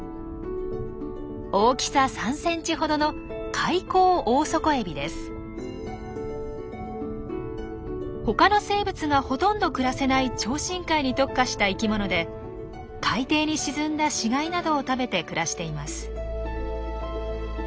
大きさ３ｃｍほどのほかの生物がほとんど暮らせない超深海に特化した生きもので海底に沈んだ死骸などを食べて暮らしています。